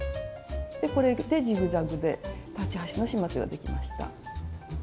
これでジグザグで裁ち端の始末ができました。